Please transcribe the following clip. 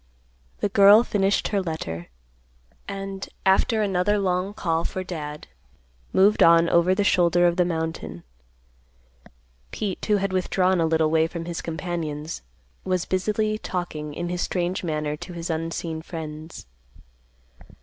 The girl finished her letter, and, after another long call for Dad, moved on over the shoulder of the mountain. Pete, who had withdrawn a little way from his companions, was busily talking in his strange manner to his unseen friends.